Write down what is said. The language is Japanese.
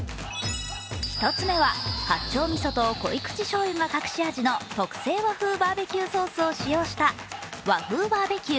１つ目は、八丁みそと濃口しょうゆが隠し味の特製和風バーベキューソースを使用した和風バーベキュー